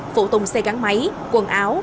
phụ tùng xe gắn máy quần áo